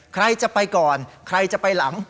ใครจะไปก่อนใครจะไปหลัง